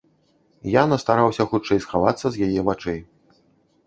Я настараўся хутчэй схавацца з яе вачэй.